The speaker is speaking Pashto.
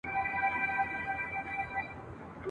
چي شیخانو وي پخوا ایمان پلورلی !.